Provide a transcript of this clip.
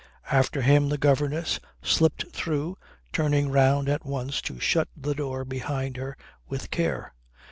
After him the governess slipped through, turning round at once to shut the door behind her with care.